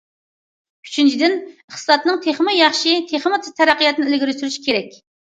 ئۈچىنچىدىن،‹‹ ئىقتىسادنىڭ تېخىمۇ ياخشى، تېخىمۇ تېز تەرەققىياتىنى ئىلگىرى سۈرۈش كېرەك››.